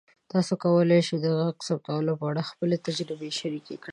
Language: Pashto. تاسو کولی شئ د غږ ثبتولو په اړه خپلې تجربې شریکې کړئ.